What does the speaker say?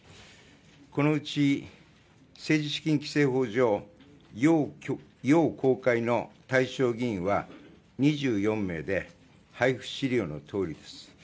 このうち、政治資金規正法上要公開の対象議員は２４名で配布資料のとおりです。